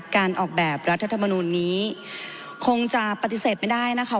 การออกแบบรัฐธรรมนูลนี้คงจะปฏิเสธไม่ได้นะคะ